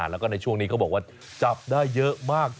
แล้วก็ในช่วงนี้เขาบอกว่าจับได้เยอะมาก